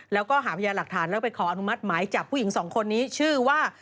แล้วก็หาพยาหลักฐานแล้วไปขออนุมัติหมายจับผู้หญิงสองคนนี้ชื่อว่า